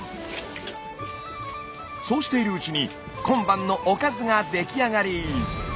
そうしているうちに今晩のおかずが出来上がり。